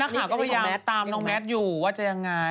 ข่าวก็พยายามตามน้องแมทอยู่ว่าจะยังไง